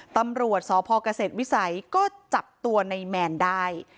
ตำรวจสพเกษตรวิสัยก็จับตัวในแมนได้